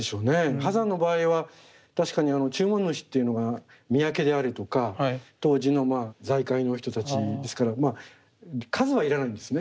波山の場合は確かに注文主っていうのが宮家であるとか当時の財界の人たちですから数は要らないんですね。